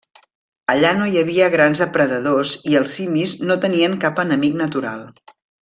Allà no hi havia grans depredadors i els simis no tenien cap enemic natural.